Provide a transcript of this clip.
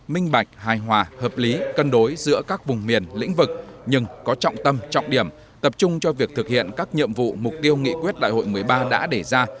minh bạch hài hòa hợp lý cân đối giữa các vùng miền lĩnh vực nhưng có trọng tâm trọng điểm tập trung cho việc thực hiện các nhiệm vụ mục tiêu nghị quyết đại hội một mươi ba đã đề ra